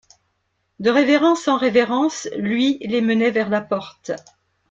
De révérence en révérence, lui les menait vers la porte.